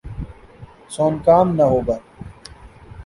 سان کام نہ ہوگا ۔